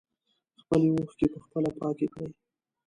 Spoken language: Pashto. خپلې اوښکې په خپله پاکې کړئ.